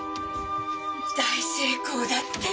大成功だって！